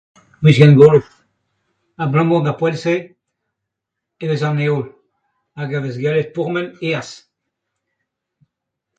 Gwechall gozh abalamour d'ar poent-se e vez an heol hag a vez gallet pourmen aes.